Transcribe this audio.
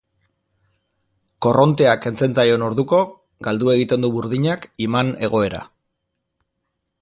Korrontea kentzen zaion orduko, galdu egiten du burdinak iman-egoera.